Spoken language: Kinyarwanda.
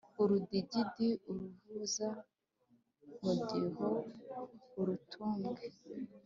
Urudigidigi uruvuza mudiho-Urutumbwe.